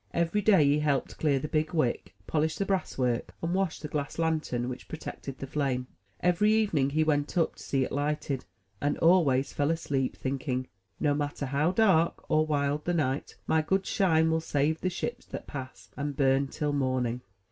Every day he helped clear the big wick, polish the brass work, and wash the glass lantern which protected the flame. Every evening he went up to see it lighted, and always fell asleep, thinking, '*No matter how dark or wild the night, my good Shine will save the ships that pass, and bum till morning.